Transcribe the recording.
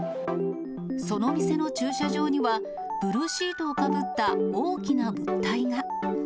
その店の駐車場には、ブルーシートをかぶった大きな物体が。